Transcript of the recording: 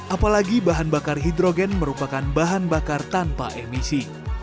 apalagi bahan bakar hidrogen merupakan bahan bakar tanpa emisi